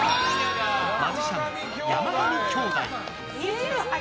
マジシャン、山上兄弟。